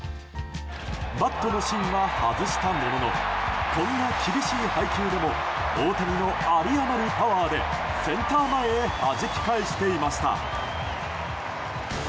バットの芯は外したもののこんな厳しい配球でも大谷の有り余るパワーでセンター前へはじき返していました。